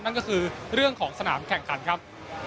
นั่นก็คือเรื่องของสนามแข่งขันครับ